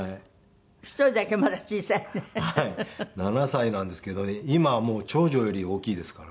７歳なんですけど今はもう長女より大きいですからね。